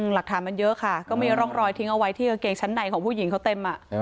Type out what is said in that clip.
หลักฐานมันเยอะค่ะก็มีร่องรอยทิ้งเอาไว้ที่กางเกงชั้นในของผู้หญิงเขาเต็ม